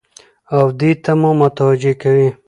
او دې ته مو متوجه کوي